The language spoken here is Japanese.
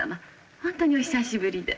ほんとにお久しぶりで。